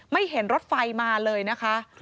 เห็นรถไฟมาเลยนะคะ